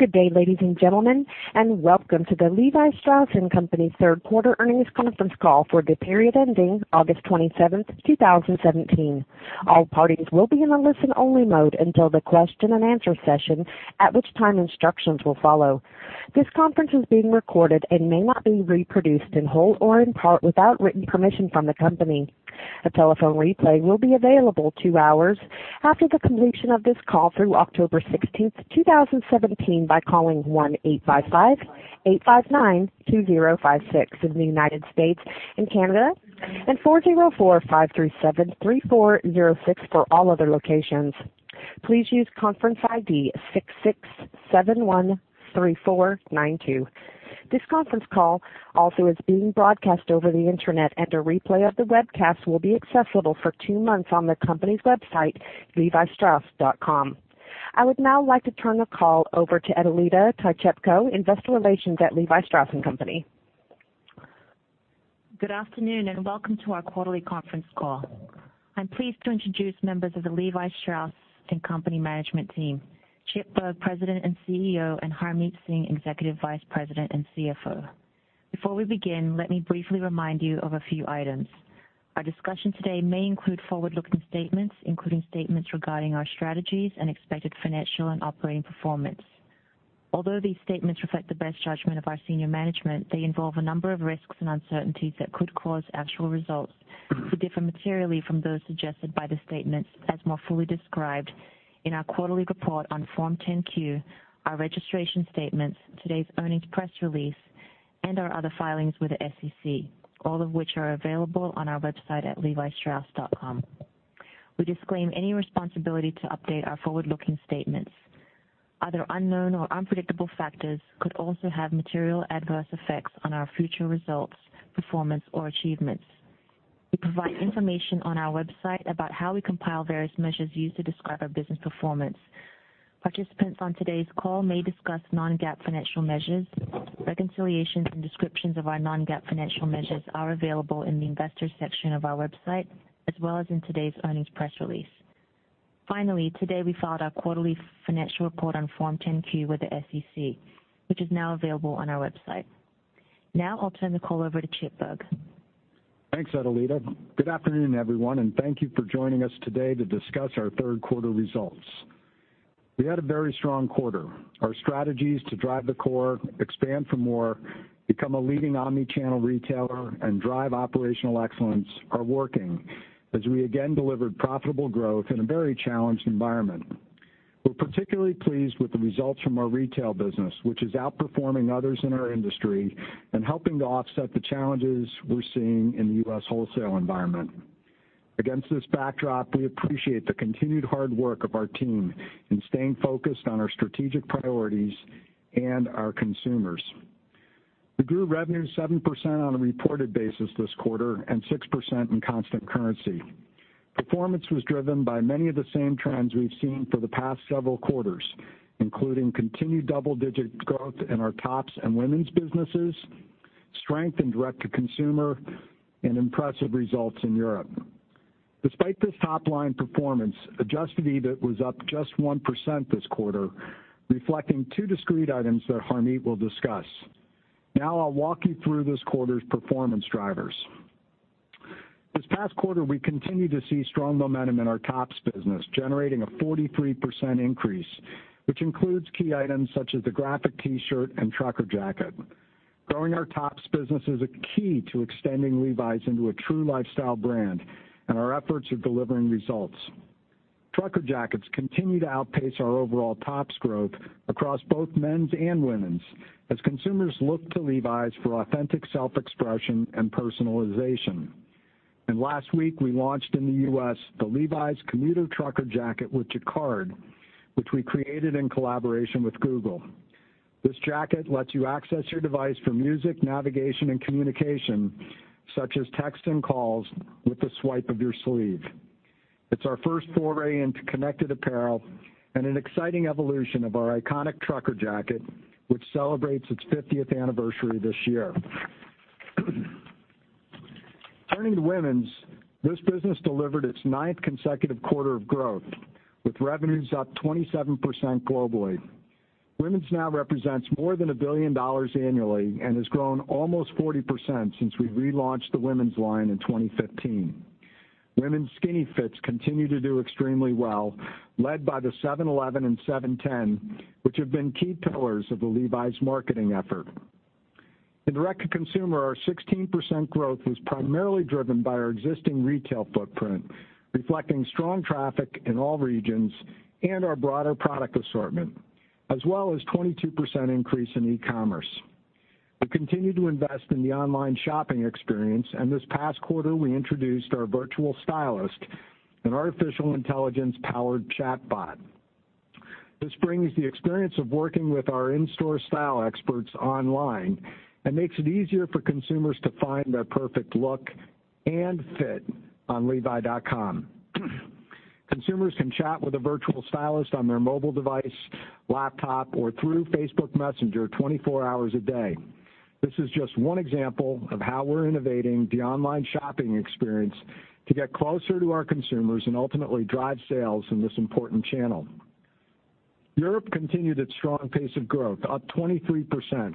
Good day, ladies and gentlemen, and welcome to the Levi Strauss & Co. third quarter earnings conference call for the period ending August 27th, 2017. All parties will be in a listen-only mode until the question and answer session, at which time instructions will follow. This conference is being recorded and may not be reproduced in whole or in part without written permission from the company. A telephone replay will be available two hours after the completion of this call through October 16th, 2017, by calling 1-855-859-2056 in the U.S. and Canada, and 404-537-3406 for all other locations. Please use conference ID 66713492. This conference call also is being broadcast over the internet, and a replay of the webcast will be accessible for two months on the company's website, levistrauss.com. I would now like to turn the call over to Aida Orphan, investor relations at Levi Strauss & Co.. Good afternoon, and welcome to our quarterly conference call. I'm pleased to introduce members of the Levi Strauss & Co. management team, Chip Bergh, President and CEO, and Harmit Singh, Executive Vice President and CFO. Before we begin, let me briefly remind you of a few items. Our discussion today may include forward-looking statements, including statements regarding our strategies and expected financial and operating performance. Although these statements reflect the best judgment of our senior management, they involve a number of risks and uncertainties that could cause actual results to differ materially from those suggested by the statements, as more fully described in our quarterly report on Form 10-Q, our registration statements, today's earnings press release, and our other filings with the SEC, all of which are available on our website at levistrauss.com. We disclaim any responsibility to update our forward-looking statements. Other unknown or unpredictable factors could also have material adverse effects on our future results, performance, or achievements. We provide information on our website about how we compile various measures used to describe our business performance. Participants on today's call may discuss non-GAAP financial measures. Reconciliations and descriptions of our non-GAAP financial measures are available in the Investors section of our website, as well as in today's earnings press release. Finally, today, we filed our quarterly financial report on Form 10-Q with the SEC, which is now available on our website. Now, I'll turn the call over to Chip Bergh. Thanks, Aida. Good afternoon, everyone, and thank you for joining us today to discuss our third quarter results. We had a very strong quarter. Our strategies to drive the core, expand for more, become a leading omni-channel retailer, and drive operational excellence are working as we again delivered profitable growth in a very challenged environment. We're particularly pleased with the results from our retail business, which is outperforming others in our industry and helping to offset the challenges we're seeing in the U.S. wholesale environment. Against this backdrop, we appreciate the continued hard work of our team in staying focused on our strategic priorities and our consumers. We grew revenue 7% on a reported basis this quarter and 6% in constant currency. Performance was driven by many of the same trends we've seen for the past several quarters, including continued double-digit growth in our tops and women's businesses, strength in direct-to-consumer, and impressive results in Europe. Despite this top-line performance, adjusted EBIT was up just 1% this quarter, reflecting two discrete items that Harmit will discuss. Now, I'll walk you through this quarter's performance drivers. This past quarter, we continued to see strong momentum in our tops business, generating a 43% increase, which includes key items such as the graphic T-shirt and Trucker Jacket. Growing our tops business is a key to extending Levi's into a true lifestyle brand, and our efforts are delivering results. Trucker Jackets continue to outpace our overall tops growth across both men's and women's as consumers look to Levi's for authentic self-expression and personalization. Last week, we launched in the U.S. the Levi's Commuter Trucker Jacket with Jacquard, which we created in collaboration with Google. This jacket lets you access your device for music, navigation, and communication, such as texts and calls, with the swipe of your sleeve. It's our first foray into connected apparel and an exciting evolution of our iconic Trucker Jacket, which celebrates its 50th anniversary this year. Turning to women's, this business delivered its ninth consecutive quarter of growth, with revenues up 27% globally. Women's now represents more than $1 billion annually and has grown almost 40% since we relaunched the women's line in 2015. Women's skinny fits continue to do extremely well, led by the 711 and 710, which have been key pillars of the Levi's marketing effort. In direct-to-consumer, our 16% growth was primarily driven by our existing retail footprint, reflecting strong traffic in all regions and our broader product assortment, as well as 22% increase in e-commerce. We continue to invest in the online shopping experience, this past quarter, we introduced our virtual stylist, an artificial intelligence powered chatbot. This brings the experience of working with our in-store style experts online and makes it easier for consumers to find their perfect look and fit on levi.com. Consumers can chat with a virtual stylist on their mobile device, laptop, or through Facebook Messenger 24 hours a day. This is just one example of how we're innovating the online shopping experience to get closer to our consumers and ultimately drive sales in this important channel. Europe continued its strong pace of growth, up 23%,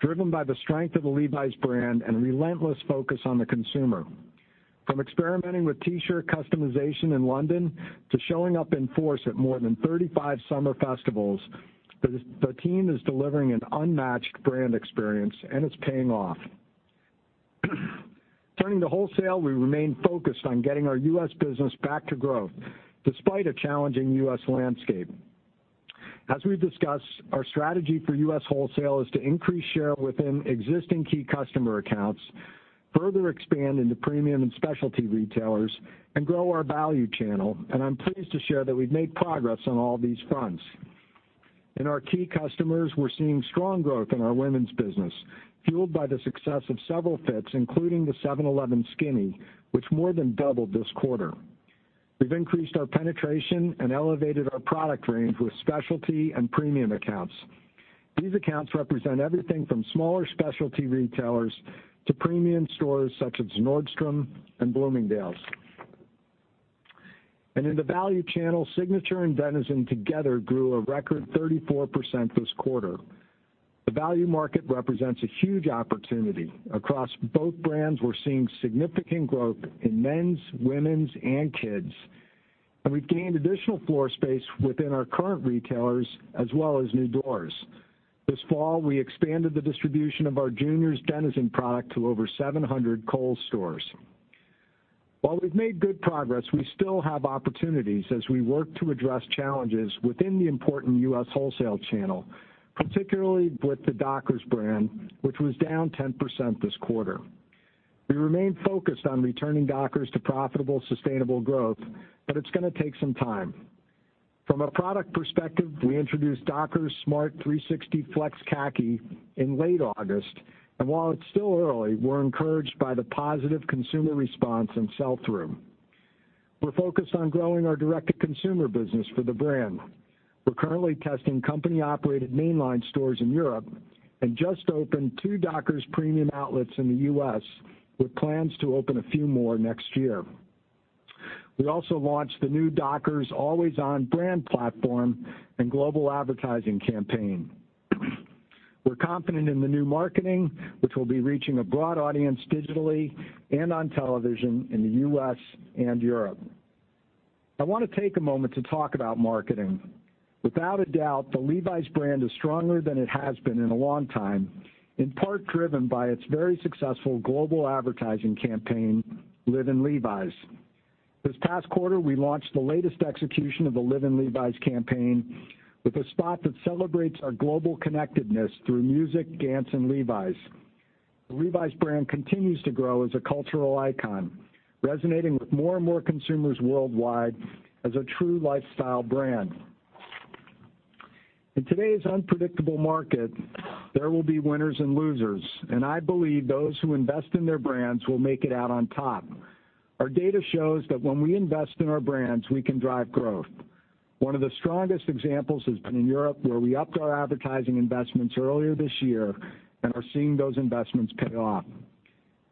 driven by the strength of the Levi's brand and relentless focus on the consumer. From experimenting with T-shirt customization in London, to showing up in force at more than 35 summer festivals, the team is delivering an unmatched brand experience, it's paying off. Turning to wholesale, we remain focused on getting our U.S. business back to growth, despite a challenging U.S. landscape. As we've discussed, our strategy for U.S. wholesale is to increase share within existing key customer accounts, further expand into premium and specialty retailers, and grow our value channel. I'm pleased to share that we've made progress on all these fronts. In our key customers, we're seeing strong growth in our women's business, fueled by the success of several fits, including the 711 skinny, which more than doubled this quarter. We've increased our penetration and elevated our product range with specialty and premium accounts. These accounts represent everything from smaller specialty retailers to premium stores such as Nordstrom and Bloomingdale's. In the value channel, Signature and Denizen together grew a record 34% this quarter. The value market represents a huge opportunity. Across both brands, we're seeing significant growth in men's, women's, and kids'. We've gained additional floor space within our current retailers as well as new doors. This fall, we expanded the distribution of our juniors Denizen product to over 700 Kohl's stores. While we've made good progress, we still have opportunities as we work to address challenges within the important U.S. wholesale channel, particularly with the Dockers brand, which was down 10% this quarter. We remain focused on returning Dockers to profitable, sustainable growth, it's going to take some time. From a product perspective, we introduced Dockers Smart 360 Flex Khaki in late August, while it's still early, we're encouraged by the positive consumer response and sell-through. We're focused on growing our direct-to-consumer business for the brand. We're currently testing company-operated mainline stores in Europe and just opened two Dockers premium outlets in the U.S., with plans to open a few more next year. We also launched the new Dockers Always On brand platform and global advertising campaign. We're confident in the new marketing, which will be reaching a broad audience digitally and on television in the U.S. and Europe. I want to take a moment to talk about marketing. Without a doubt, the Levi's brand is stronger than it has been in a long time, in part driven by its very successful global advertising campaign, Live in Levi's. This past quarter, we launched the latest execution of the Live in Levi's campaign with a spot that celebrates our global connectedness through music, dance, and Levi's. The Levi's brand continues to grow as a cultural icon, resonating with more and more consumers worldwide as a true lifestyle brand. In today's unpredictable market, there will be winners and losers, I believe those who invest in their brands will make it out on top. Our data shows that when we invest in our brands, we can drive growth. One of the strongest examples has been in Europe, where we upped our advertising investments earlier this year, are seeing those investments pay off.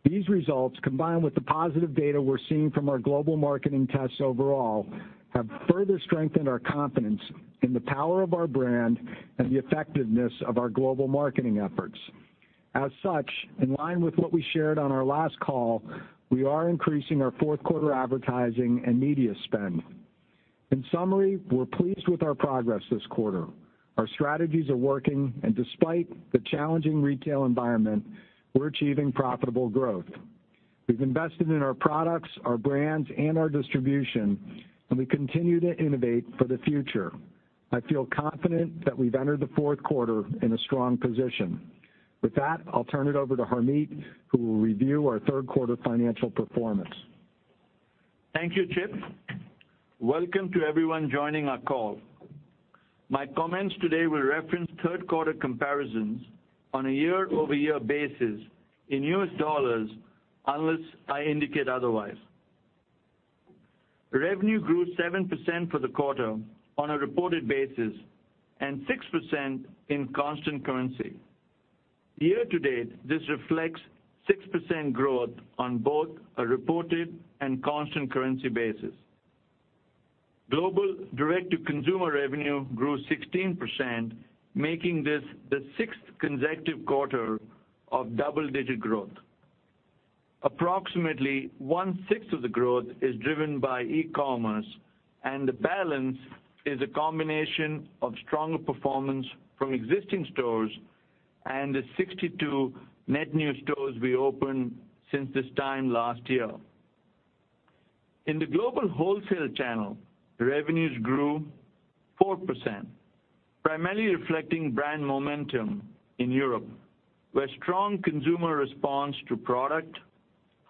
These results, combined with the positive data we're seeing from our global marketing tests overall, have further strengthened our confidence in the power of our brand and the effectiveness of our global marketing efforts. As such, in line with what we shared on our last call, we are increasing our fourth quarter advertising and media spend. In summary, we're pleased with our progress this quarter. Our strategies are working, despite the challenging retail environment, we're achieving profitable growth. We've invested in our products, our brands, and our distribution, we continue to innovate for the future. I feel confident that we've entered the fourth quarter in a strong position. With that, I'll turn it over to Harmit, who will review our third quarter financial performance. Thank you, Chip. Welcome to everyone joining our call. My comments today will reference third quarter comparisons on a year-over-year basis in U.S. dollars, unless I indicate otherwise. Revenue grew 7% for the quarter on a reported basis and 6% in constant currency. Year-to-date, this reflects 6% growth on both a reported and constant currency basis. Global direct-to-consumer revenue grew 16%, making this the sixth consecutive quarter of double-digit growth. Approximately one-sixth of the growth is driven by e-commerce, and the balance is a combination of stronger performance from existing stores and the 62 net new stores we opened since this time last year. In the global wholesale channel, revenues grew 4%, primarily reflecting brand momentum in Europe, where strong consumer response to product,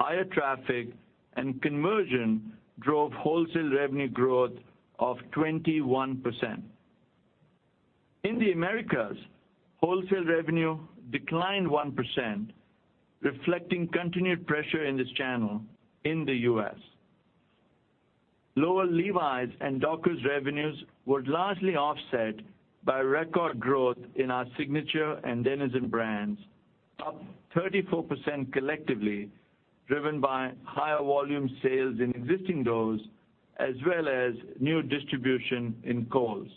higher traffic, and conversion drove wholesale revenue growth of 21%. In the Americas, wholesale revenue declined 1%, reflecting continued pressure in this channel in the U.S. Lower Levi's and Dockers revenues were largely offset by record growth in our Signature and Denizen brands, up 34% collectively, driven by higher volume sales in existing doors as well as new distribution in Kohl's.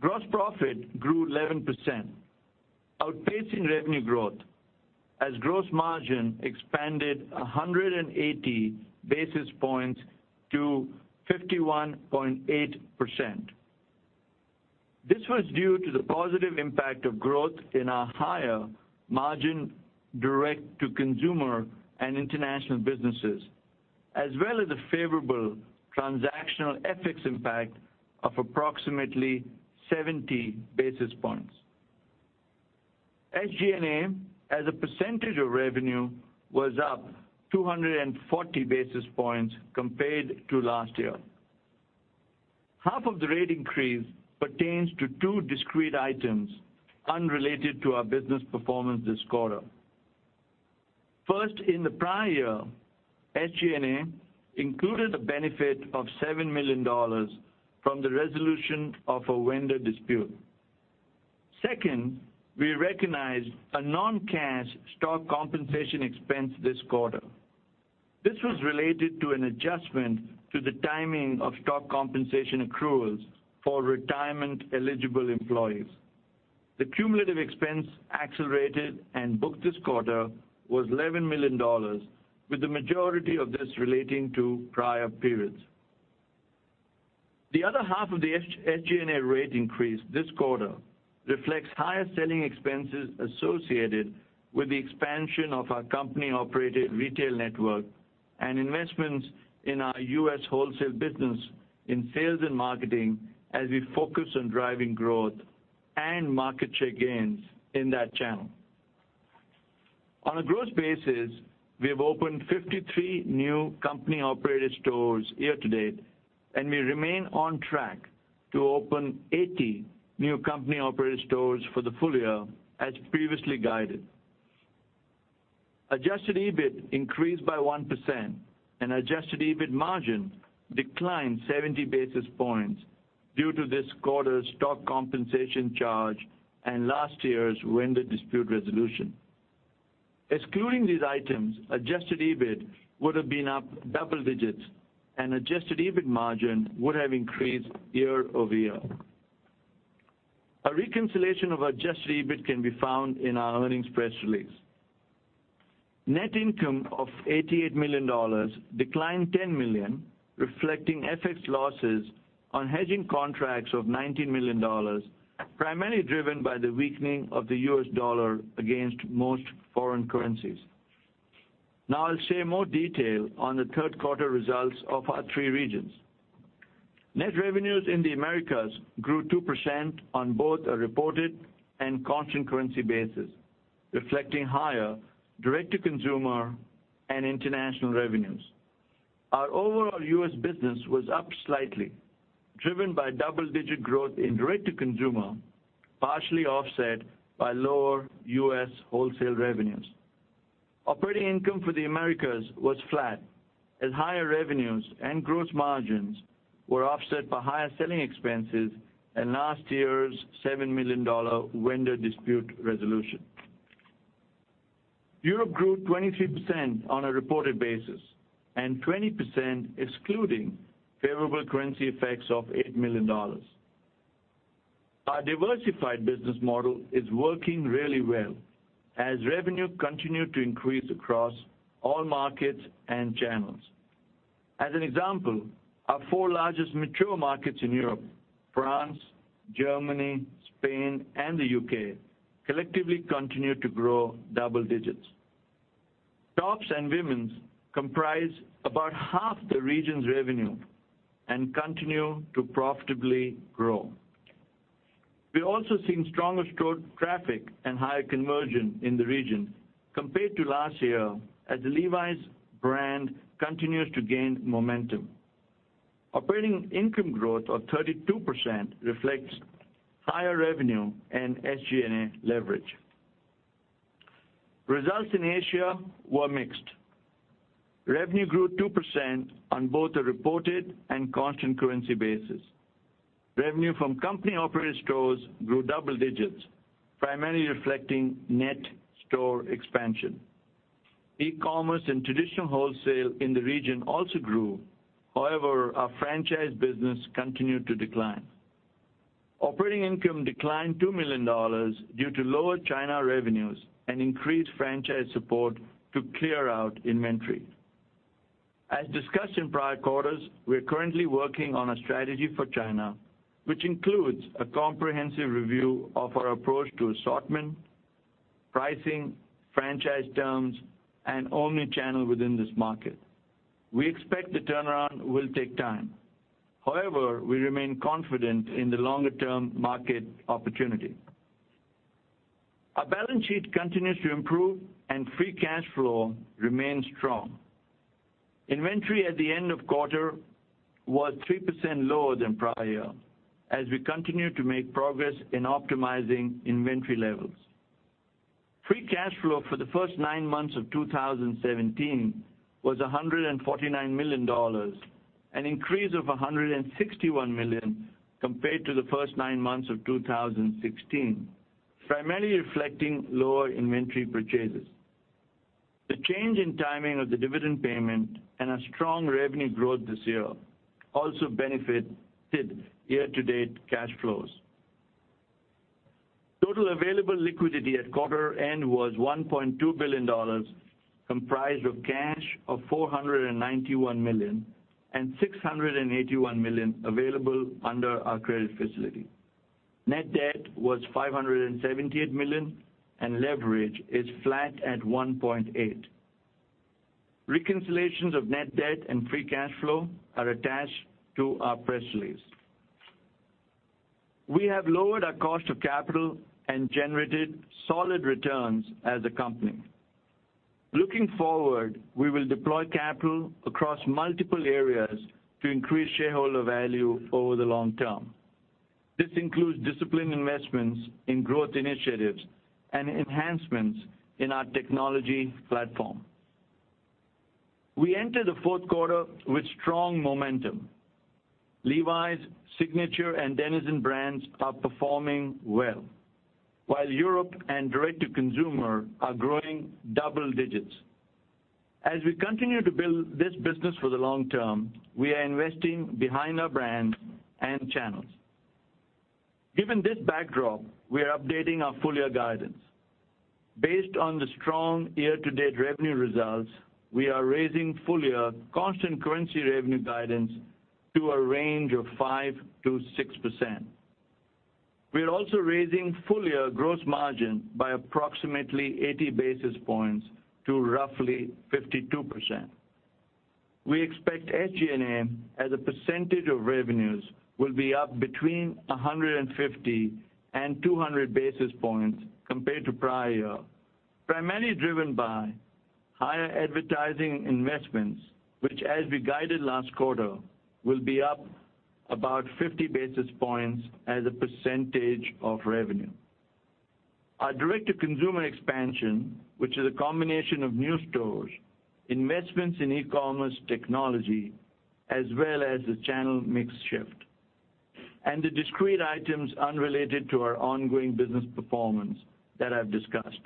Gross profit grew 11%, outpacing revenue growth, as gross margin expanded 180 basis points to 51.8%. This was due to the positive impact of growth in our higher margin direct-to-consumer and international businesses, as well as a favorable transactional FX impact of approximately 70 basis points. SG&A as a percentage of revenue was up 240 basis points compared to last year. Half of the rate increase pertains to two discrete items unrelated to our business performance this quarter. First, in the prior year, SG&A included the benefit of $7 million from the resolution of a vendor dispute. Second, we recognized a non-cash stock compensation expense this quarter. This was related to an adjustment to the timing of stock compensation accruals for retirement-eligible employees. The cumulative expense accelerated and booked this quarter was $11 million, with the majority of this relating to prior periods. The other half of the SG&A rate increase this quarter reflects higher selling expenses associated with the expansion of our company-operated retail network and investments in our U.S. wholesale business in sales and marketing, as we focus on driving growth and market share gains in that channel. On a gross basis, we have opened 53 new company-operated stores year-to-date, and we remain on track to open 80 new company-operated stores for the full year as previously guided. Adjusted EBIT increased by 1%, and adjusted EBIT margin declined 70 basis points due to this quarter's stock compensation charge and last year's vendor dispute resolution. Excluding these items, adjusted EBIT would have been up double digits, and adjusted EBIT margin would have increased year-over-year. A reconciliation of adjusted EBIT can be found in our earnings press release. Net income of $88 million declined $10 million, reflecting FX losses on hedging contracts of $90 million, primarily driven by the weakening of the U.S. dollar against most foreign currencies. Now I'll share more detail on the third quarter results of our three regions. Net revenues in the Americas grew 2% on both a reported and constant currency basis, reflecting higher direct-to-consumer and international revenues. Our overall U.S. business was up slightly, driven by double-digit growth in direct-to-consumer, partially offset by lower U.S. wholesale revenues. Operating income for the Americas was flat as higher revenues and gross margins were offset by higher selling expenses and last year's $7 million vendor dispute resolution. Europe grew 23% on a reported basis and 20% excluding favorable currency effects of $8 million. Our diversified business model is working really well as revenue continued to increase across all markets and channels. As an example, our four largest mature markets in Europe, France, Germany, Spain, and the U.K., collectively continued to grow double digits. Tops and women's comprise about half the region's revenue and continue to profitably grow. We're also seeing stronger store traffic and higher conversion in the region compared to last year as the Levi's brand continues to gain momentum. Operating income growth of 32% reflects higher revenue and SG&A leverage. Results in Asia were mixed. Revenue grew 2% on both a reported and constant currency basis. Revenue from company-operated stores grew double digits, primarily reflecting net store expansion. E-commerce and traditional wholesale in the region also grew. However, our franchise business continued to decline. Operating income declined $2 million due to lower China revenues and increased franchise support to clear out inventory. As discussed in prior quarters, we are currently working on a strategy for China, which includes a comprehensive review of our approach to assortment, pricing, franchise terms, and omni-channel within this market. We expect the turnaround will take time. However, we remain confident in the longer-term market opportunity. Our balance sheet continues to improve, and free cash flow remains strong. Inventory at the end of quarter was 3% lower than prior year as we continue to make progress in optimizing inventory levels. Free cash flow for the first nine months of 2017 was $149 million, an increase of $161 million compared to the first nine months of 2016, primarily reflecting lower inventory purchases. The change in timing of the dividend payment and a strong revenue growth this year also benefited year-to-date cash flows. Total available liquidity at quarter end was $1.2 billion, comprised of cash of $491 million and $681 million available under our credit facility. Net debt was $578 million, and leverage is flat at 1.8. Reconciliations of net debt and free cash flow are attached to our press release. We have lowered our cost of capital and generated solid returns as a company. Looking forward, we will deploy capital across multiple areas to increase shareholder value over the long term. This includes disciplined investments in growth initiatives and enhancements in our technology platform. We enter the fourth quarter with strong momentum. Levi's, Signature, and Denizen brands are performing well, while Europe and direct-to-consumer are growing double digits. As we continue to build this business for the long term, we are investing behind our brands and channels. Given this backdrop, we are updating our full-year guidance. Based on the strong year-to-date revenue results, we are raising full-year constant currency revenue guidance to a range of 5%-6%. We are also raising full-year gross margin by approximately 80 basis points to roughly 52%. We expect SG&A as a percentage of revenues will be up between 150 and 200 basis points compared to prior year, primarily driven by higher advertising investments, which, as we guided last quarter, will be up about 50 basis points as a percentage of revenue. Our direct-to-consumer expansion, which is a combination of new stores, investments in e-commerce technology, as well as the channel mix shift, and the discrete items unrelated to our ongoing business performance that I've discussed.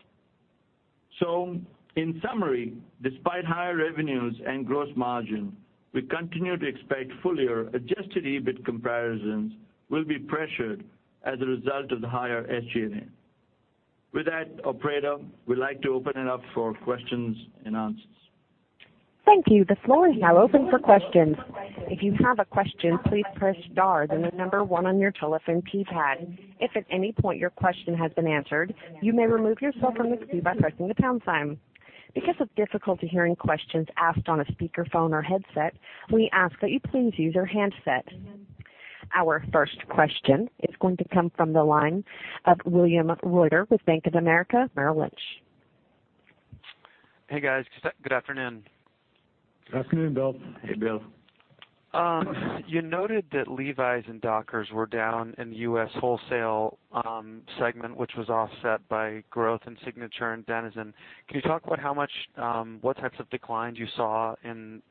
In summary, despite higher revenues and gross margin, we continue to expect full-year adjusted EBIT comparisons will be pressured as a result of the higher SG&A. With that, operator, we'd like to open it up for questions and answers. Thank you. The floor is now open for questions. If you have a question, please press star, then 1 on your telephone keypad. If at any point your question has been answered, you may remove yourself from the queue by pressing the pound sign. Because of difficulty hearing questions asked on a speakerphone or headset, we ask that you please use your handset. Our first question is going to come from the line of William Reuter with Bank of America Merrill Lynch. Hey, guys. Good afternoon. Good afternoon, Bill. Hey, Bill. You noted that Levi's and Dockers were down in the U.S. wholesale segment, which was offset by growth in Signature and Denizen. Can you talk about what types of declines you saw in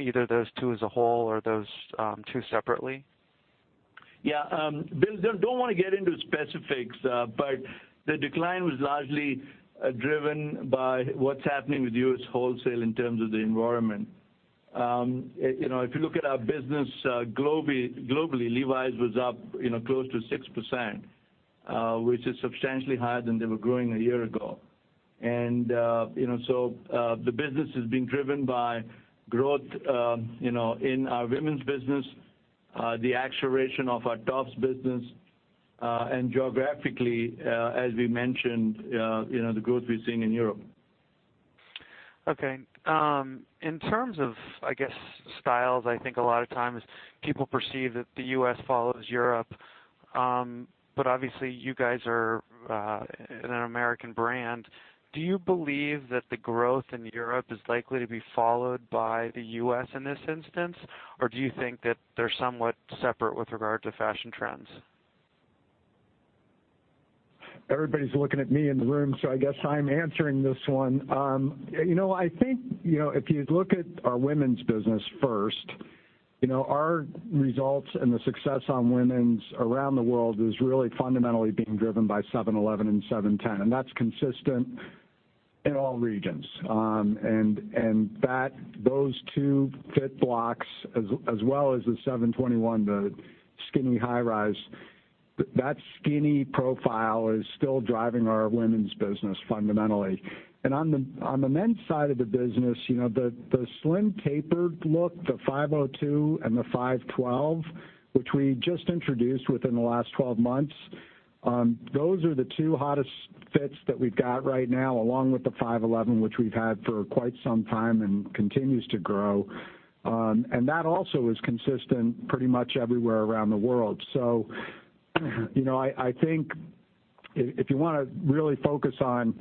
either those two as a whole or those two separately? Yeah. Bill, don't want to get into specifics, but the decline was largely driven by what's happening with U.S. wholesale in terms of the environment. If you look at our business globally, Levi's was up close to 6%, which is substantially higher than they were growing a year ago. The business is being driven by growth in our women's business, the acceleration of our tops business, and geographically, as we mentioned, the growth we're seeing in Europe. Okay. In terms of styles, I think a lot of times people perceive that the U.S. follows Europe. Obviously, you guys are an American brand. Do you believe that the growth in Europe is likely to be followed by the U.S. in this instance, or do you think that they're somewhat separate with regard to fashion trends? Everybody's looking at me in the room, so I guess I'm answering this one. I think, if you look at our women's business first, our results and the success on women's around the world is really fundamentally being driven by 711 and 710. That's consistent in all regions. Those two fit blocks, as well as the 721, the skinny high rise, that skinny profile is still driving our women's business fundamentally. On the men's side of the business, the slim tapered look, the 502 and the 512, which we just introduced within the last 12 months, those are the two hottest fits that we've got right now along with the 511 which we've had for quite some time and continues to grow. That also is consistent pretty much everywhere around the world. I think If you want to really focus on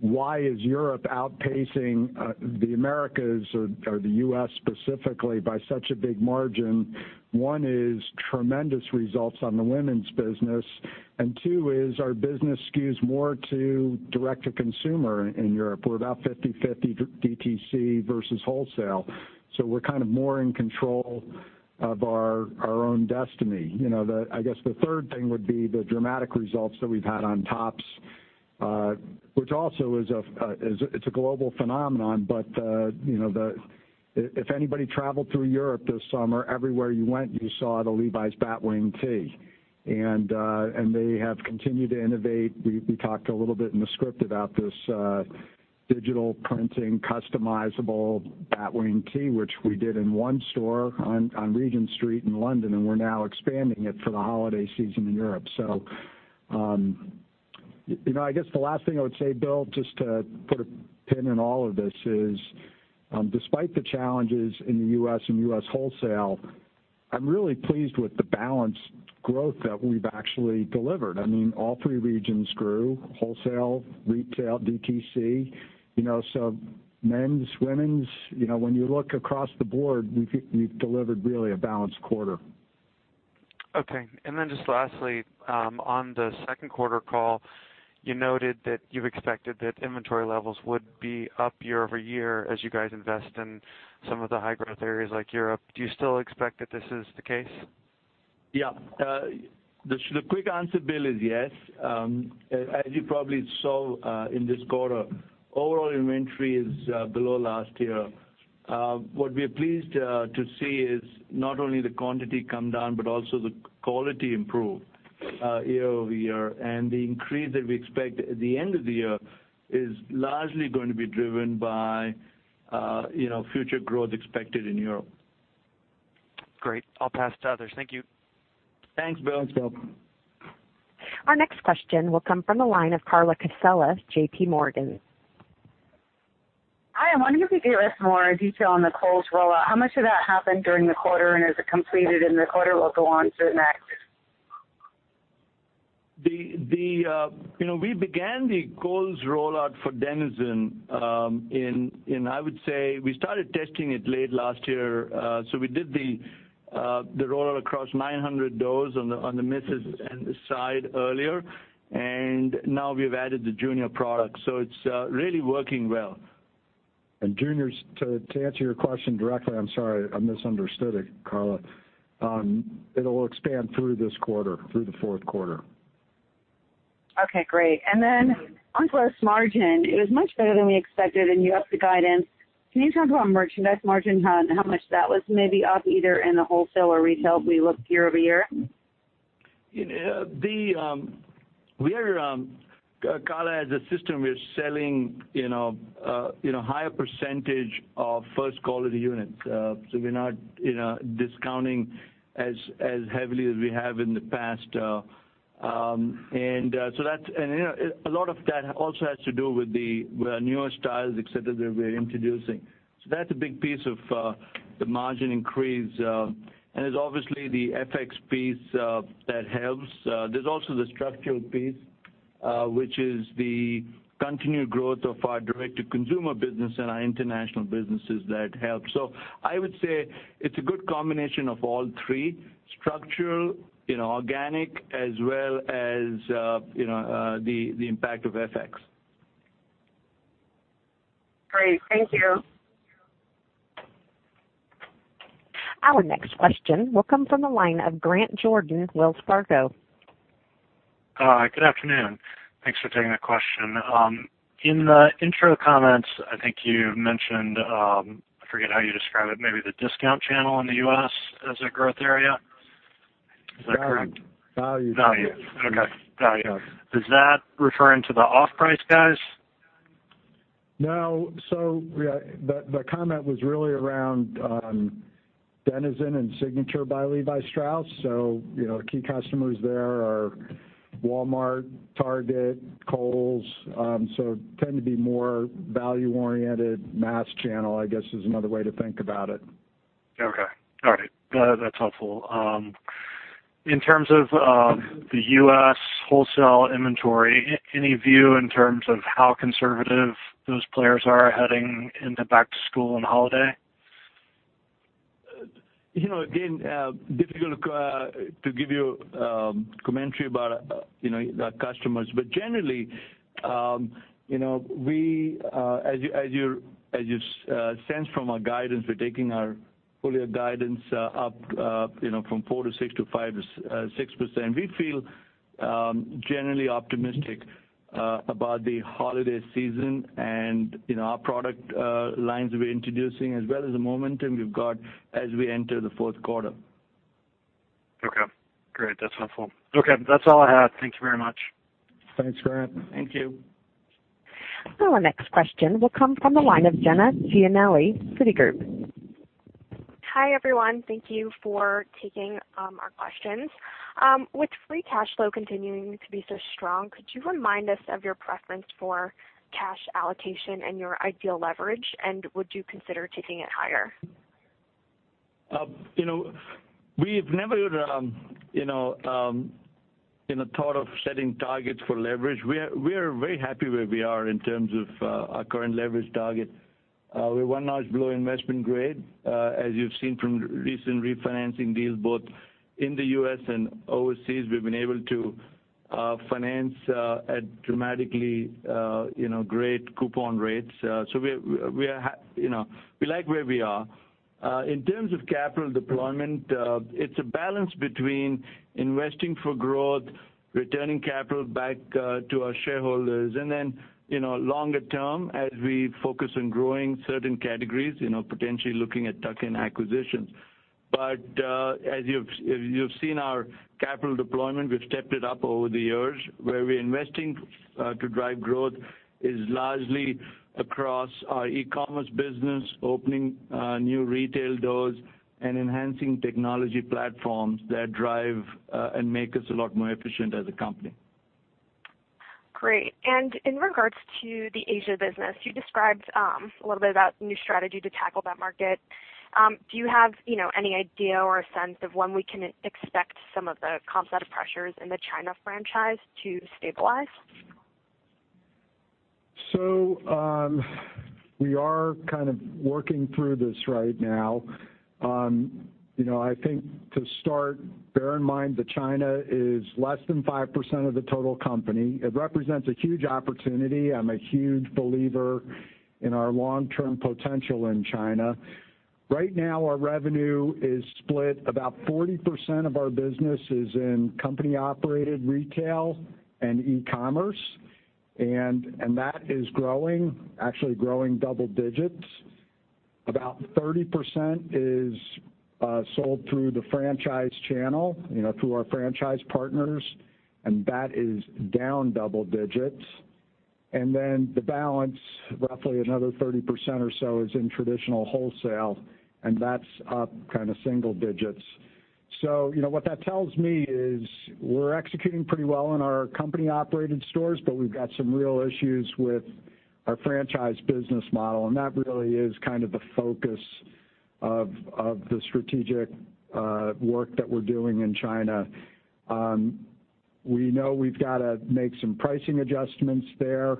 why is Europe outpacing the Americas or the U.S. specifically by such a big margin, one is tremendous results on the women's business, and two is our business skews more to direct-to-consumer in Europe. We're about 50/50 DTC versus wholesale. We're more in control of our own destiny. I guess the third thing would be the dramatic results that we've had on tops, which also it's a global phenomenon. If anybody traveled through Europe this summer, everywhere you went, you saw the Levi's Batwing tee. They have continued to innovate. We talked a little bit in the script about this digital printing, customizable Batwing tee, which we did in one store on Regent Street in London, and we're now expanding it for the holiday season in Europe. I guess the last thing I would say, Bill, just to put a pin in all of this, is despite the challenges in the U.S. and U.S. wholesale, I'm really pleased with the balanced growth that we've actually delivered. I mean, all three regions grew, wholesale, retail, DTC. Men's, women's, when you look across the board, we've delivered really a balanced quarter. Okay. Just lastly, on the second quarter call, you noted that you've expected that inventory levels would be up year-over-year as you guys invest in some of the high-growth areas like Europe. Do you still expect that this is the case? Yeah. The quick answer, Bill, is yes. As you probably saw in this quarter, overall inventory is below last year. What we're pleased to see is not only the quantity come down, but also the quality improved year-over-year. The increase that we expect at the end of the year is largely going to be driven by future growth expected in Europe. Great. I'll pass to others. Thank you. Thanks, Bill. You're welcome. Our next question will come from the line of Carla Casella, JP Morgan. Hi. I'm wondering if you could give us more detail on the Kohl's rollout. How much of that happened during the quarter, is it completed in the quarter or go on to the next? We began the Kohl's rollout for Denizen in, I would say, we started testing it late last year. We did the rollout across 900 doors on the misses and the side earlier. Now we've added the junior product. It's really working well. Juniors, to answer your question directly, I'm sorry, I misunderstood it, Carla. It'll expand through this quarter, through the fourth quarter. Okay, great. On gross margin, it was much better than we expected, and you upped the guidance. Can you talk about merchandise margin? How much that was maybe up either in the wholesale or retail when we look year-over-year? Carla, as a system, we're selling higher percentage of first quality units. We're not discounting as heavily as we have in the past. A lot of that also has to do with the newer styles, et cetera, that we're introducing. That's a big piece of the margin increase. It's obviously the FX piece that helps. There's also the structural piece, which is the continued growth of our direct-to-consumer business and our international businesses that help. I would say it's a good combination of all three, structural, organic, as well as the impact of FX. Great. Thank you. Our next question will come from the line of Ike Boruchow, Wells Fargo. Hi. Good afternoon. Thanks for taking the question. In the intro comments, I think you mentioned, I forget how you describe it, maybe the discount channel in the U.S. as a growth area. Is that correct? Value. Value. Okay. Value. Is that referring to the off-price guys? No. The comment was really around Denizen and Signature by Levi Strauss. Key customers there are Walmart, Target, Kohl's. Tend to be more value-oriented, mass channel, I guess is another way to think about it. Okay. All right. That's helpful. In terms of the U.S. wholesale inventory, any view in terms of how conservative those players are heading into back to school and holiday? Difficult to give you commentary about our customers. Generally, as you sense from our guidance, we're taking our full-year guidance up from 4%-6% to 5%-6%. We feel generally optimistic about the holiday season and our product lines we're introducing, as well as the momentum we've got as we enter the fourth quarter. Okay, great. That's helpful. Okay. That's all I have. Thank you very much. Thanks, Ike. Thank you. Our next question will come from the line of Paul Lejuez, Citigroup. Hi, everyone. Thank you for taking our questions. With free cash flow continuing to be so strong, could you remind us of your preference for cash allocation and your ideal leverage, and would you consider taking it higher? We've never been in a thought of setting targets for leverage. We are very happy where we are in terms of our current leverage target. We're one notch below investment grade. As you've seen from recent refinancing deals, both in the U.S. and overseas, we've been able to finance at dramatically great coupon rates. We like where we are. In terms of capital deployment, it's a balance between investing for growth, returning capital back to our shareholders, and then, longer term, as we focus on growing certain categories, potentially looking at tuck-in acquisitions. As you've seen our capital deployment, we've stepped it up over the years. Where we're investing to drive growth is largely across our e-commerce business, opening new retail doors, and enhancing technology platforms that drive and make us a lot more efficient as a company. Great. In regards to the Asia business, you described a little bit about the new strategy to tackle that market. Do you have any idea or a sense of when we can expect some of the comp set pressures in the China franchise to stabilize? We are kind of working through this right now. I think to start, bear in mind that China is less than 5% of the total company. It represents a huge opportunity. I'm a huge believer in our long-term potential in China. Right now, our revenue is split. About 40% of our business is in company-operated retail and e-commerce, that is growing, actually growing double digits. About 30% is sold through the franchise channel, through our franchise partners, and that is down double digits. The balance, roughly another 30% or so, is in traditional wholesale, and that's up single digits. What that tells me is we're executing pretty well in our company-operated stores, but we've got some real issues with our franchise business model, and that really is kind of the focus of the strategic work that we're doing in China. We know we've got to make some pricing adjustments there.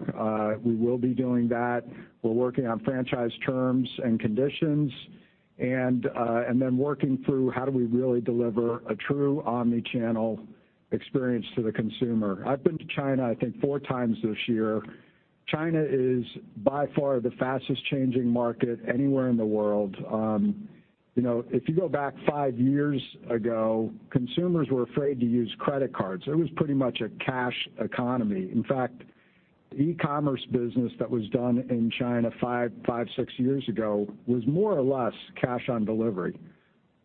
We will be doing that. We're working on franchise terms and conditions, and then working through how do we really deliver a true omni-channel experience to the consumer. I've been to China, I think, four times this year. China is by far the fastest changing market anywhere in the world. If you go back five years ago, consumers were afraid to use credit cards. It was pretty much a cash economy. In fact, the e-commerce business that was done in China five, six years ago was more or less cash on delivery.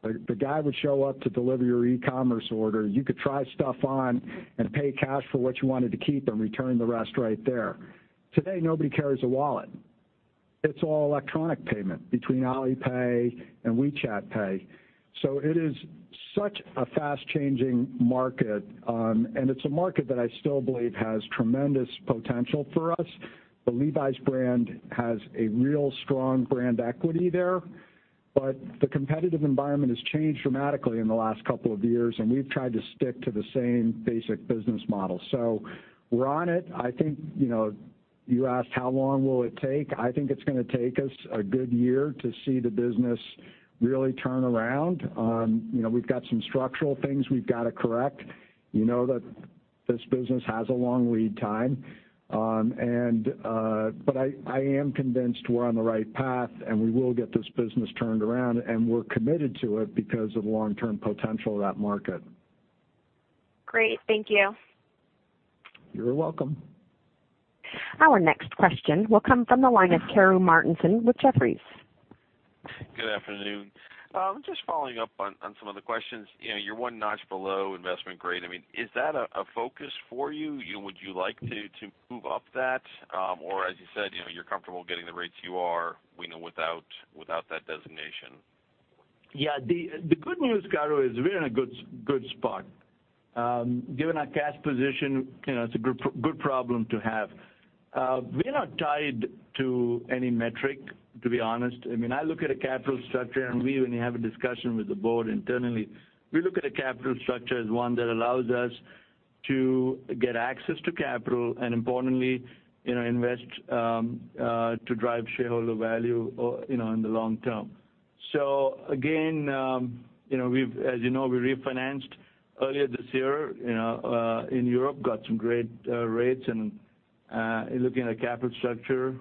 The guy would show up to deliver your e-commerce order. You could try stuff on and pay cash for what you wanted to keep and return the rest right there. Today, nobody carries a wallet. It's all electronic payment between Alipay and WeChat Pay. It is such a fast-changing market, and it's a market that I still believe has tremendous potential for us. The Levi's brand has a real strong brand equity there. But the competitive environment has changed dramatically in the last couple of years, and we've tried to stick to the same basic business model. We're on it. You asked how long will it take? I think it's going to take us a good year to see the business really turn around. We've got some structural things we've got to correct. You know that this business has a long lead time. But I am convinced we're on the right path, and we will get this business turned around, and we're committed to it because of the long-term potential of that market. Great. Thank you. You're welcome. Our next question will come from the line of Karru Martinson with Jefferies. Good afternoon. Just following up on some of the questions. You're one notch below investment grade. Is that a focus for you? Would you like to move up that? Or as you said, you're comfortable getting the rates you are, we know, without that designation. Yeah. The good news, Karru, is we're in a good spot. Given our cash position, it's a good problem to have. We're not tied to any metric, to be honest. I look at a capital structure, when you have a discussion with the board internally, we look at a capital structure as one that allows us to get access to capital, importantly, invest to drive shareholder value in the long term. Again, as you know, we refinanced earlier this year in Europe, got some great rates, looking at capital structure,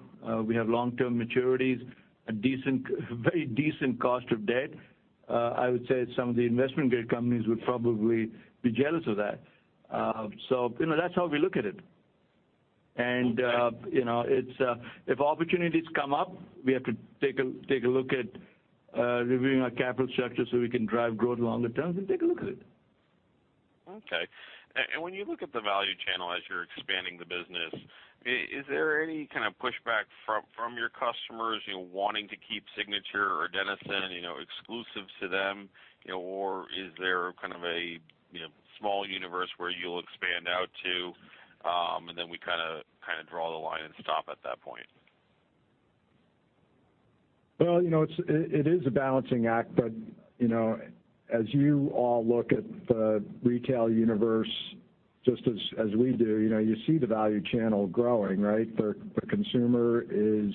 we have long-term maturities, a very decent cost of debt. I would say some of the investment grade companies would probably be jealous of that. That's how we look at it. Okay. If opportunities come up, we have to take a look at reviewing our capital structure so we can drive growth longer term and take a look at it. Okay. When you look at the value channel as you're expanding the business, is there any kind of pushback from your customers wanting to keep Signature or Denizen exclusive to them? Or is there kind of a small universe where you'll expand out to, and then we kind of draw the line and stop at that point? Well, it is a balancing act, as you all look at the retail universe just as we do, you see the value channel growing, right? The consumer is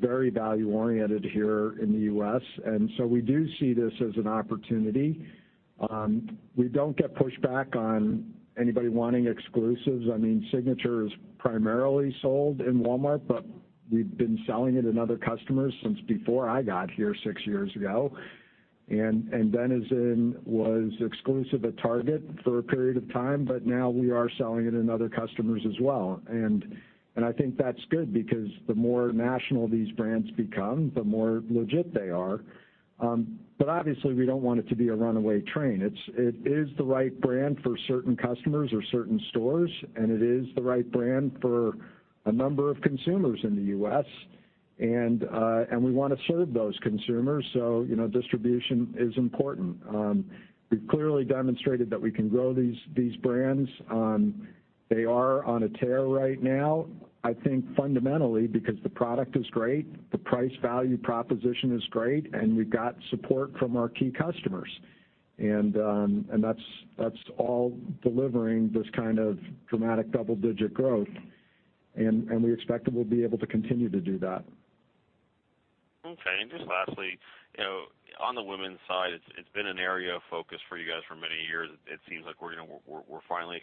very value-oriented here in the U.S., we do see this as an opportunity. We don't get pushback on anybody wanting exclusives. Signature is primarily sold in Walmart, but we've been selling it in other customers since before I got here six years ago. Denizen was exclusive at Target for a period of time, but now we are selling it in other customers as well. I think that's good because the more national these brands become, the more legit they are. Obviously, we don't want it to be a runaway train. It is the right brand for certain customers or certain stores, it is the right brand for a number of consumers in the U.S., we want to serve those consumers, distribution is important. We've clearly demonstrated that we can grow these brands. They are on a tear right now, I think fundamentally because the product is great, the price-value proposition is great, we've got support from our key customers. That's all delivering this kind of dramatic double-digit growth, we expect that we'll be able to continue to do that. Okay. Just lastly, on the women's side, it's been an area of focus for you guys for many years. It seems like we're finally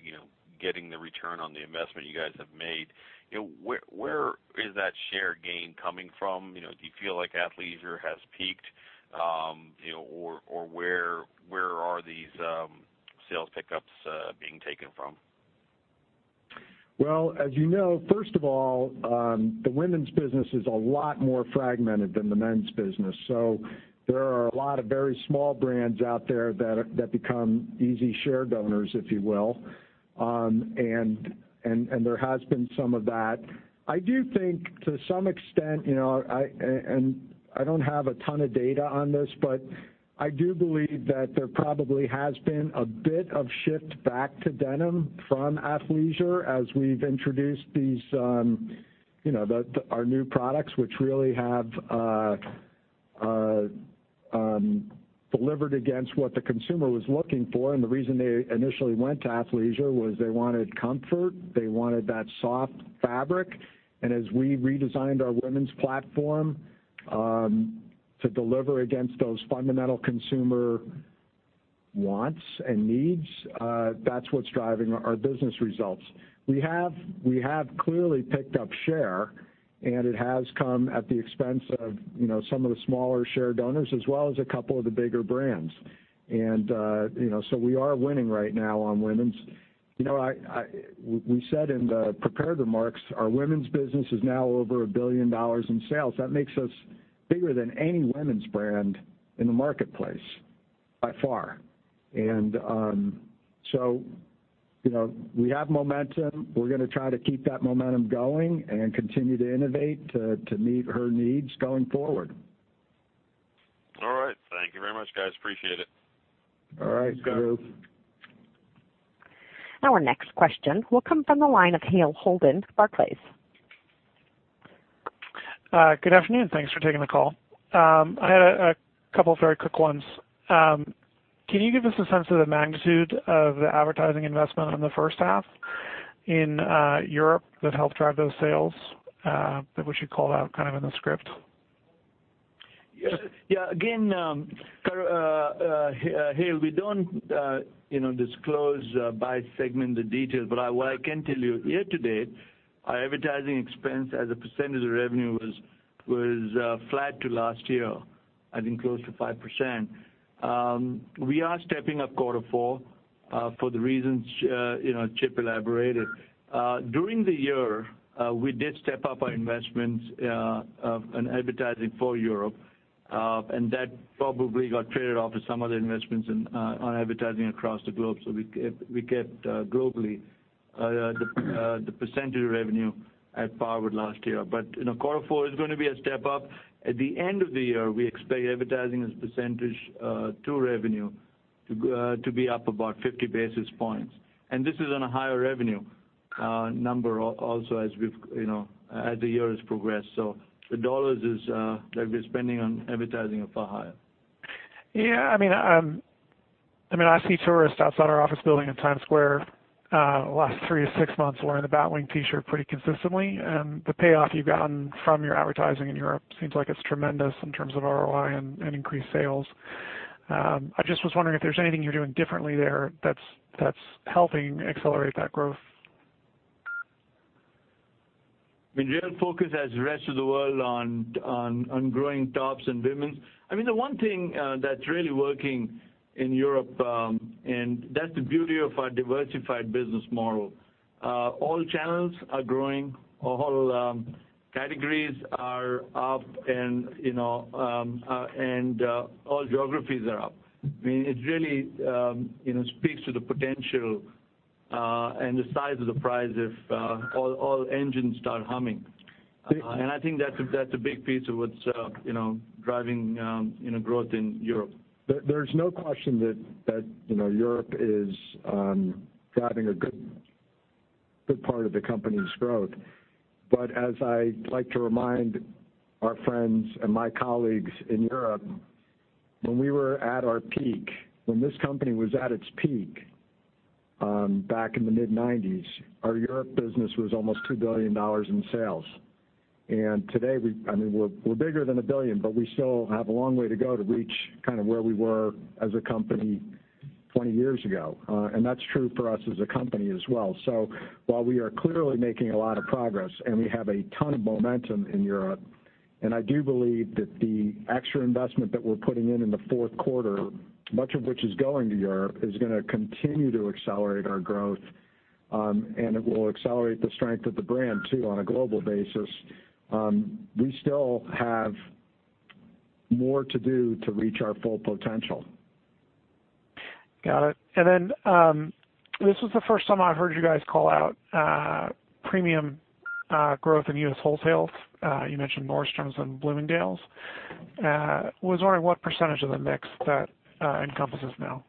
getting the return on the investment you guys have made. Where is that share gain coming from? Do you feel like athleisure has peaked? Where are these sales pickups being taken from? Well, as you know, first of all, the women's business is a lot more fragmented than the men's business. There are a lot of very small brands out there that become easy share donors, if you will. There has been some of that. I do think to some extent, and I don't have a ton of data on this, but I do believe that there probably has been a bit of shift back to denim from athleisure as we've introduced our new products, which really have delivered against what the consumer was looking for. The reason they initially went to athleisure was they wanted comfort. They wanted that soft fabric. As we redesigned our women's platform to deliver against those fundamental consumer wants and needs, that's what's driving our business results. We have clearly picked up share, and it has come at the expense of some of the smaller share donors as well as a couple of the bigger brands. We are winning right now on women's. We said in the prepared remarks, our women's business is now over $1 billion in sales. That makes us bigger than any women's brand in the marketplace by far. We have momentum. We're going to try to keep that momentum going and continue to innovate to meet her needs going forward. All right. Thank you very much, guys. Appreciate it. All right. Our next question will come from the line of Hale Holden, Barclays. Good afternoon. Thanks for taking the call. I had a couple of very quick ones. Can you give us a sense of the magnitude of the advertising investment on the first half in Europe that helped drive those sales that what you called out in the script? Yeah. Again, Hale, we don't disclose by segment the details, but what I can tell you year to date, our advertising expense as a percentage of revenue was flat to last year, I think close to 5%. We are stepping up quarter four for the reasons Chip elaborated. During the year, we did step up our investments in advertising for Europe. That probably got traded off with some of the investments on advertising across the globe. We kept globally the percentage of revenue at par with last year. Quarter four is going to be a step up. At the end of the year, we expect advertising as a percentage to revenue to be up about 50 basis points. This is on a higher revenue number also as the year has progressed. The dollars that we're spending on advertising are far higher. Yeah. I see tourists outside our office building in Times Square the last three to six months wearing the Batwing T-shirt pretty consistently. The payoff you've gotten from your advertising in Europe seems like it's tremendous in terms of ROI and increased sales. I just was wondering if there's anything you're doing differently there that's helping accelerate that growth. The real focus as the rest of the world on growing tops and women's. The one thing that's really working in Europe, that's the beauty of our diversified business model. All channels are growing, all categories are up, and all geographies are up. It really speaks to the potential and the size of the prize if all engines start humming. I think that's a big piece of what's driving growth in Europe. There's no question that Europe is driving a good part of the company's growth. As I like to remind our friends and my colleagues in Europe, when we were at our peak, when this company was at its peak back in the mid-'90s, our Europe business was almost $2 billion in sales. Today, we're bigger than $1 billion, we still have a long way to go to reach where we were as a company 20 years ago. That's true for us as a company as well. While we are clearly making a lot of progress and we have a ton of momentum in Europe, I do believe that the extra investment that we're putting in in the fourth quarter, much of which is going to Europe, is going to continue to accelerate our growth, it will accelerate the strength of the brand too, on a global basis. We still have more to do to reach our full potential. Got it. This was the first time I heard you guys call out premium growth in U.S. wholesale. You mentioned Nordstrom and Bloomingdale's. I was wondering what % of the mix that encompasses now.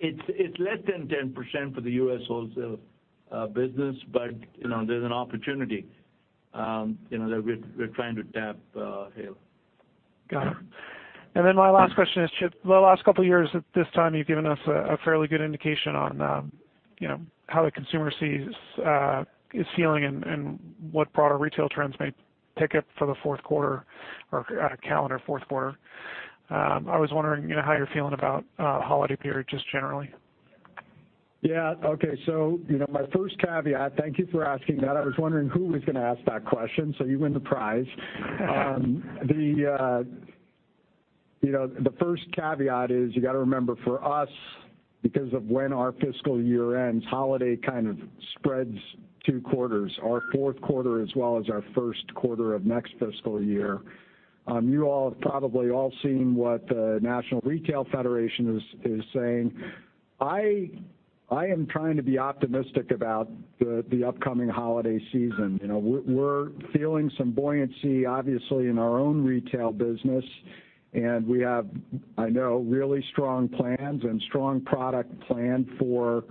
It's less than 10% for the U.S. wholesale business, but there's an opportunity that we're trying to tap here. Got it. My last question is, Chip, the last couple of years at this time, you've given us a fairly good indication on how the consumer is feeling and what broader retail trends may pick up for the fourth quarter or calendar fourth quarter. I was wondering how you're feeling about the holiday period, just generally. Yeah. Okay. My first caveat, thank you for asking that. I was wondering who was going to ask that question, so you win the prize. The first caveat is you got to remember for us, because of when our fiscal year ends, holiday kind of spreads two quarters. Our fourth quarter as well as our first quarter of next fiscal year. You all have probably all seen what the National Retail Federation is saying. I am trying to be optimistic about the upcoming holiday season. We're feeling some buoyancy, obviously, in our own retail business, and we have, I know, really strong plans and strong product plan for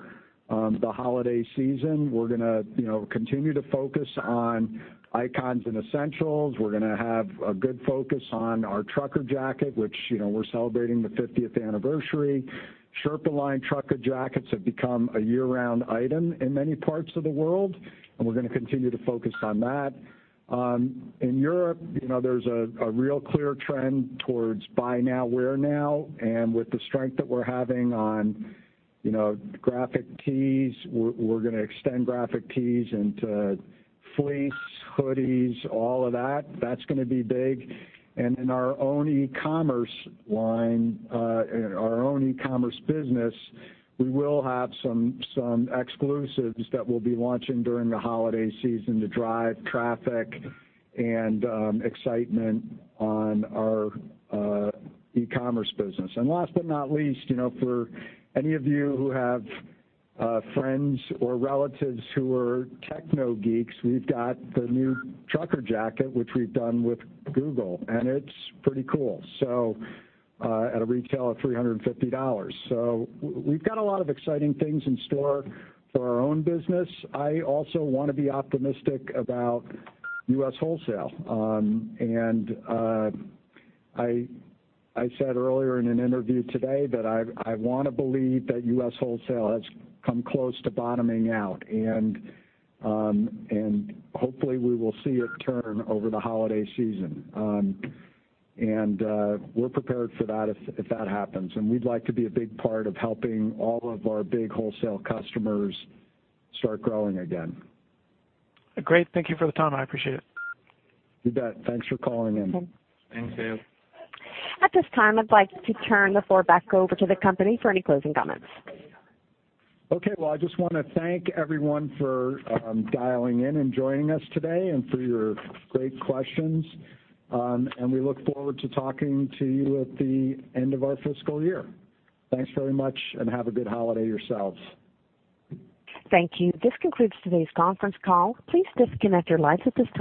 the holiday season. We're going to continue to focus on icons and essentials. We're going to have a good focus on our Trucker Jacket, which we're celebrating the 50th anniversary. Sherpa-lined Trucker jackets have become a year-round item in many parts of the world, we're going to continue to focus on that. In Europe, there's a real clear trend towards buy now, wear now, with the strength that we're having on graphic tees, we're going to extend graphic tees into fleece, hoodies, all of that. That's going to be big. In our own e-commerce line, our own e-commerce business, we will have some exclusives that we'll be launching during the holiday season to drive traffic and excitement on our e-commerce business. Last but not least, for any of you who have friends or relatives who are techno geeks, we've got the new Trucker Jacket, which we've done with Google, and it's pretty cool. At a retail of $350. We've got a lot of exciting things in store for our own business. I also want to be optimistic about U.S. wholesale. I said earlier in an interview today that I want to believe that U.S. wholesale has come close to bottoming out. Hopefully, we will see it turn over the holiday season. We're prepared for that if that happens, and we'd like to be a big part of helping all of our big wholesale customers start growing again. Great. Thank you for the time. I appreciate it. You bet. Thanks for calling in. Thanks, Hale. At this time, I'd like to turn the floor back over to the company for any closing comments. Okay. Well, I just want to thank everyone for dialing in and joining us today and for your great questions. We look forward to talking to you at the end of our fiscal year. Thanks very much, and have a good holiday yourselves. Thank you. This concludes today's conference call. Please disconnect your lines at this time.